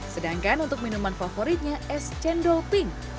sedangkan untuk minuman favoritnya es cendol pink